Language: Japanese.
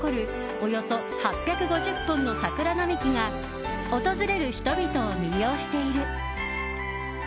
およそ８５０本の桜並木が訪れる人々を魅了している。